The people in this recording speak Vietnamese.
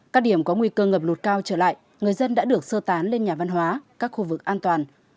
các điểm có nguy cơ ngập lụt cao trở lại người dân đã được sơ tán lên nhà văn hóa các khu vực an toàn